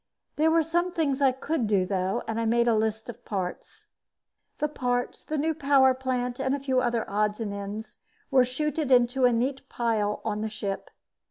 There were some things I could do, though, and I made a list of parts. The parts, the new power plant and a few other odds and ends were chuted into a neat pile on the ship.